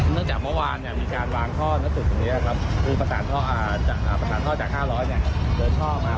จากเมื่อวานมีการวางท่อณตึกตรงนี้ครับคือประสานท่อจาก๕๐๐เดินท่อมา